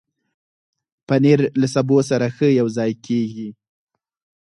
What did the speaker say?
پنېر له سبو سره ښه یوځای کېږي.